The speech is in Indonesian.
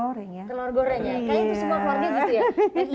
kayaknya itu semua telurnya gitu ya